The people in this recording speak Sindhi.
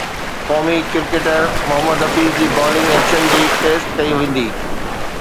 قومي ڪرڪيٽر محمد حفيظ جي بالنگ ايڪشن جي ٽيسٽ ڪئي ويندي